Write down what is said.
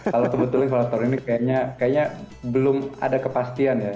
kalau sebetulnya kalau tahun ini kayaknya belum ada kepastian ya